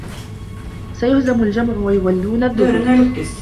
سَيُهزَمُ الجَمعُ وَيُوَلّونَ الدُّبُرَ